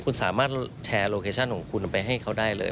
คุณสามารถแชร์โลเคชั่นของคุณไปให้เขาได้เลย